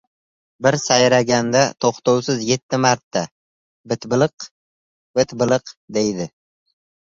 Bir sayraganda to‘xtovsiz yetti marta «bit- biliq», «bit-biliq» deydi.